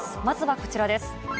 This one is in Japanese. まずはこちらです。